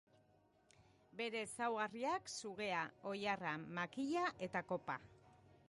Bere ezaugarriak: sugea, oilarra, makila eta kopa.